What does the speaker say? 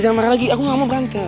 jangan marah lagi aku gak mau berantem